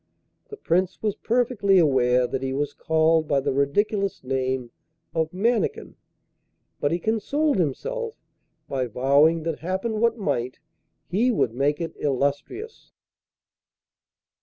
The Prince was perfectly aware that he was called by the ridiculous name of 'Mannikin,' but he consoled himself by vowing that, happen what might, he would make it illustrious.